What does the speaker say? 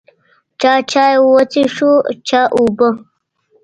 چا چای وڅښو، چا اوبه.